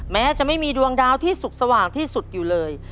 แม้จะไม่มีดวงดาวที่สุขสว่างที่สุดอยู่เลย